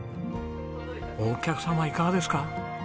お客様いかがですか？